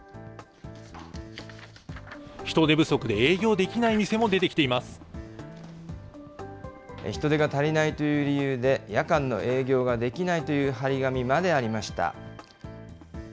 人手不足で営業できない店も人手が足りないという理由で、夜間の営業ができないという貼り紙までありました。